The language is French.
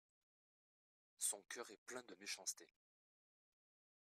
Son cœur est plein de méchanceté.